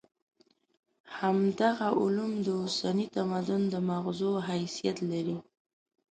همدغه علوم د اوسني تمدن د ماغزو حیثیت لري.